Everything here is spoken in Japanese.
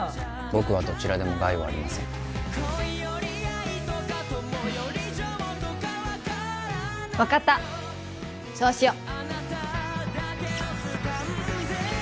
僕はどちらでも害はありません分かったそうしよう